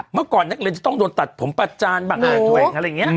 เมื่อก่อนนักเรียนจะต้องโดนตัดผมประจานบ้างด้วยอะไรอย่างนี้